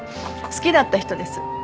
好きだった人です。